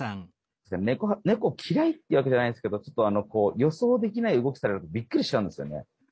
猫嫌いってわけじゃないんですけど予想できない動きされるとびっくりしちゃうんですよね。